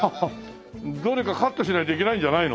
どれかカットしないといけないんじゃないの？